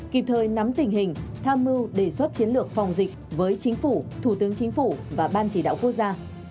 kịp thời nắm tình hình tham mưu đề xuất chiến lược phòng dịch với chính phủ thủ tướng chính phủ và ban chỉ đạo quốc gia